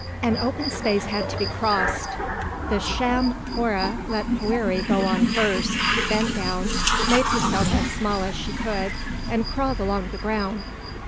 An open space had to be crossed. The sham Hora let Poëri go on first, bent down, made herself as small as she could, and crawled along the ground.